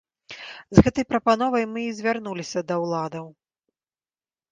З гэтай прапановай мы і звярнуліся да ўладаў.